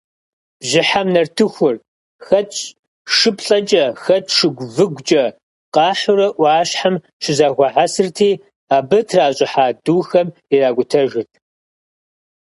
Бжьыхьэм нартыхур, хэт шыплӏэкӏэ, хэт шыгу-выгукӏэ къахьурэ ӏуащхьэм щызэхуахьэсырти, абы тращӏыхьа духэм иракӏутэжырт.